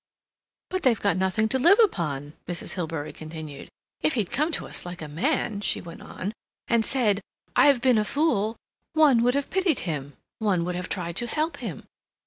"But they've got nothing to live upon," Mrs. Hilbery continued. "If he'd come to us like a man," she went on, "and said, 'I've been a fool,' one would have pitied him; one would have tried to help him.